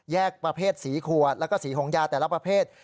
ประเภทสีขวดแล้วก็สีของยาแต่ละประเภท